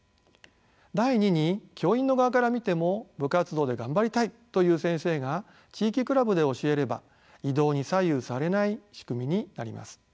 第二に教員の側から見ても部活動で頑張りたいという先生が地域クラブで教えれば異動に左右されない仕組みになります。